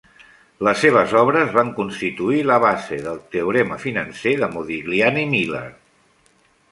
Les seves obres van constituir la base del "teorema financer de Modigliani-Miller"